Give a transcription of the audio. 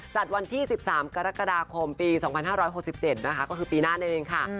จัดวันที่๑๓กรกฎาคมปี๒๕๖๗นะคะก็คือปีหน้านั่นเองค่ะ